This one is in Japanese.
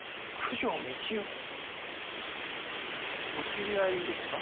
お知り合いですか？